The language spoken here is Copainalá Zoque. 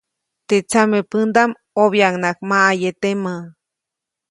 Teʼ tsamepändaʼm ʼobyaʼuŋnaʼak maʼaye temä.